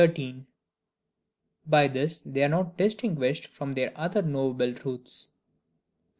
By this they are not distinguished from other knowable Truths.